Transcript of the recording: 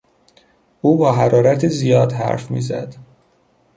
او با حرارت زیاد حرف میزد.